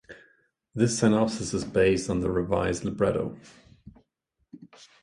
This synopsis is based on the revised libretto.